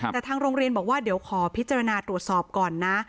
แต่ทางโรงเรียนบอกว่าเดี๋ยวขอพิจารณาตรวจสอบก่อนนะ